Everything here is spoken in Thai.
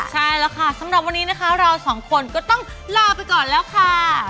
ใช่แล้วค่ะสำหรับวันนี้นะคะเราสองคนก็ต้องลาไปก่อนแล้วค่ะ